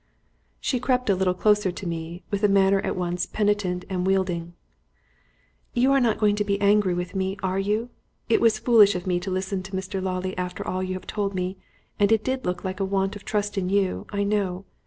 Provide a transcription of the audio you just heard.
She crept a little closer to me with a manner at once penitent and wheedling. "You are not going to be angry with me, are you? It was foolish of me to listen to Mr. Lawley after all you have told me, and it did look like a want of trust in you, I know.